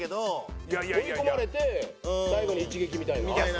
追い込まれて最後に一撃みたいな？